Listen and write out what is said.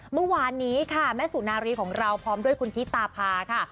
เมื่อวานนี้ค่ะแม่สุนารีของเราพร้อมด้วยคุณธิตาพาค่ะ